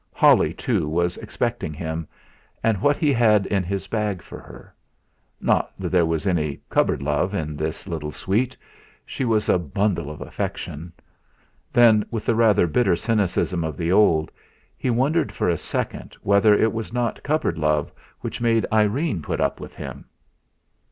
Holly, too, was expecting him, and what he had in his bag for her. Not that there was any cupboard love in his little sweet she was a bundle of affection. Then, with the rather bitter cynicism of the old, he wondered for a second whether it was not cupboard love which made Irene put up with him.